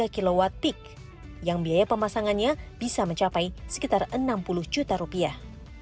tiga kw peak yang biaya pemasangannya bisa mencapai sekitar enam puluh juta rupiah